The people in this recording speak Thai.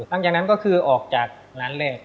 หลังจากนั้นก็คือออกจากร้านแรก